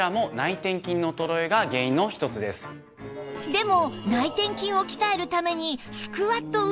でも